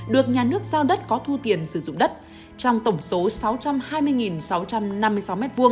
được nhà nước giao đất có thu tiền sử dụng đất trong tổng số sáu trăm hai mươi sáu trăm năm mươi sáu m hai